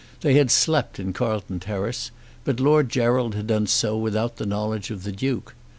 They had slept in Carlton Terrace, but Lord Gerald had done so without the knowledge of the Duke.